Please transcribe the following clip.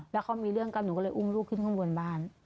แล้วเขามีเรื่องกันหนูก็เลยอุ้มลูกขึ้นข้างบนบ้าน